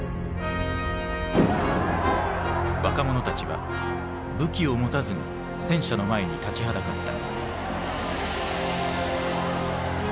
若者たちは武器を持たずに戦車の前に立ちはだかった。